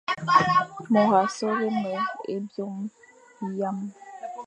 Môr a soghé me é byôm hyam,